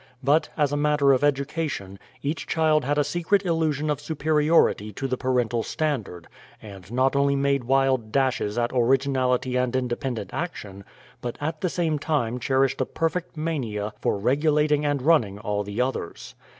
But, as a matter of education, each child had a secret illusion of superiority to the parental standard, and not only made wild dashes at originality and independent action, but at the same time cherished a perfect mania for regulating and running all the others.